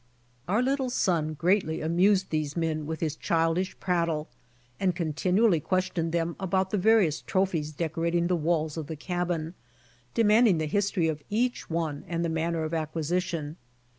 Our little son greatly amused these men with his childish prattle, and continually questioned them about the various trophies decorating the walls of the cabin, demanding the history of each one and the manner of acquisition.